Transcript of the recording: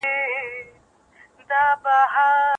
احمد شاه ابدالي څنګه د ګاونډیو سره اړیکې وساتلي؟